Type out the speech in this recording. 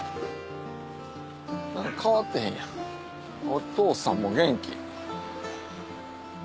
変わってへんやんお父さんも元気。